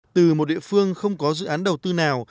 từ một địa phương không có dự án đầu tư nào